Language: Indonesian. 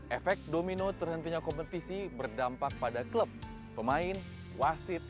efek domino terhentinya kompetisi berdampak pada klub pemain wasit